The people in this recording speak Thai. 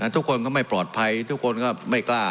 ทุกคนก็ไม่ปลอดภัยทุกคนก็ไม่กล้า